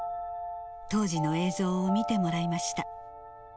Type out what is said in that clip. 当時の映像を見てもらいました。